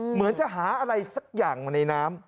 เหมือนจะหาอะไรสักอย่างมาในน้ำ